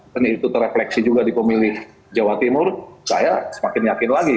dan itu terefleksi juga di pemilih jawa timur saya semakin yakin lagi